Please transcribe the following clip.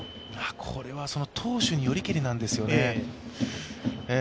これは、その投手によりけりなんですよね。